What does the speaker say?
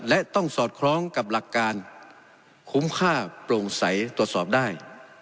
และต้องสอดคล้องกับหลักการคุ้มค่าโปร่งใสตรวจสอบได้